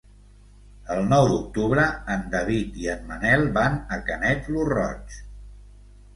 El nou d'octubre en David i en Manel van a Canet lo Roig.